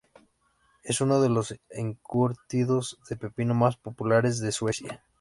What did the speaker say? Es uno de los encurtidos de pepino más populares de Suecia.